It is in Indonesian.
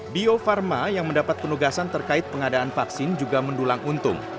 bio farma yang mendapat penugasan terkait pengadaan vaksin juga mendulang untung